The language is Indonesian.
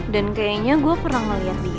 dan kayaknya gue pernah melihat dia deh